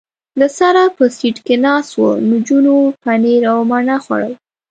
له سره په سېټ کې ناست و، نجونو پنیر او مڼه خوړل.